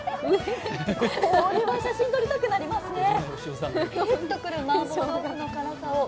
これは写真撮りたくなりますね。